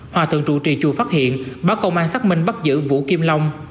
hòa thượng trụ trì chùa phát hiện báo công an xác minh bắt giữ vũ kim long